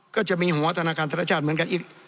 ก็จะมีหัวธนาคารธนชาติเหมือนกันอีก